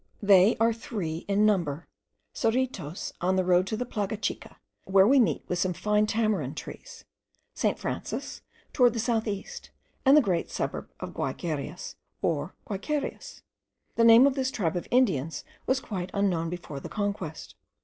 They are three in number: Serritos, on the road to the Plaga Chicha, where we meet with some fine tamarind trees; St. Francis, towards the south east; and the great suburb of the Guayquerias, or Guayguerias. The name of this tribe of Indians was quite unknown before the conquest.